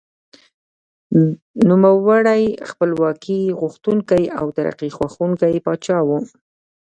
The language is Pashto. نوموړی خپلواکي غوښتونکی او ترقي خوښوونکی پاچا و.